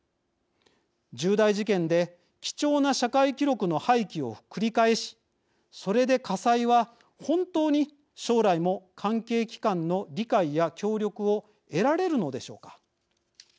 重大事件で貴重な社会記録の廃棄を繰り返しそれで家裁は本当に将来も関係機関の理解や協力を得られるでしょうか。